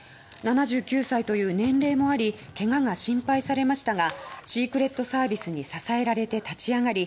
７９歳という年齢もあり怪我が心配されましたがシークレットサービスに支えられて立ち上がり